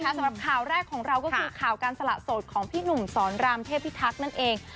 สำหรับข่าวแรกของเราก็คือข่าวการสละโสดของพี่หนุ่มสอนรามเทพิทักษ์นั่นเอง